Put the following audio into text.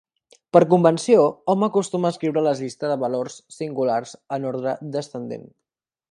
Per convenció, hom acostuma a escriure la llista de valors singulars en ordre descendent.